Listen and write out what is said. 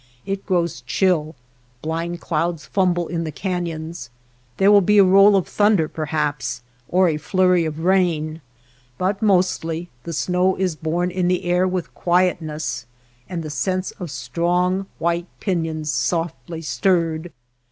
It grows chill, blind clouds fumble in the caiions; there will be a roll of thunder, perhaps, or a flurry of rain, but mostly the snow is born in the air with quietness afid the sense of strong white pinions softly stirred.